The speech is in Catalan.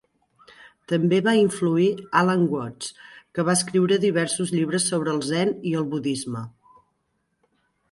També va influir Alan Watts, que va escriure diversos llibres sobre el Zen i el Budisme.